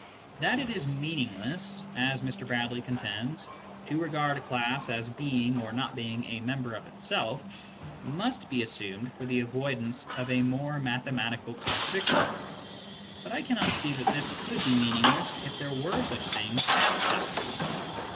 That it is meaningless (as Mr. Bradley contends) to regard a class as being or not being a member of itself, must be assumed for the avoidance of a more mathemat ical contradiction ; but I cannot see that this could be meaningless if there were such things as classes.